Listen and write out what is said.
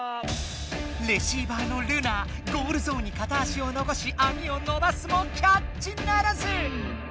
レシーバーのルナゴールゾーンにかた足をのこしあみをのばすもキャッチならず！